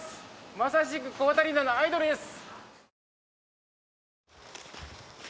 「まさしくこーたりなのアイドルです！」